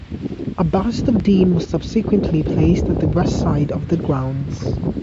A bust of Dean was subsequently placed at the west side of the grounds.